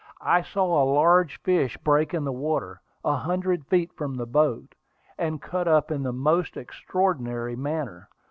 I saw a large fish break in the water, a hundred feet from the boat, and "cut up" in the most extraordinary manner.